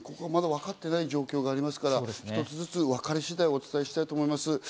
まだわかってない状況がありますから一つずつ分かり次第、お伝えしたいと思います。